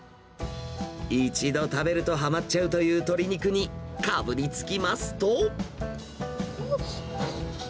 一度食べるとはまっちゃうという鶏肉にかぶりつきますと。